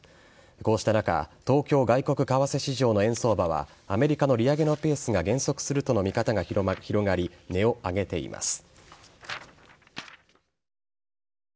こうした中東京外国為替市場の円相場はアメリカの利上げのペースが減速するとの見方が広がり値を上げています。